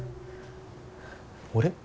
俺？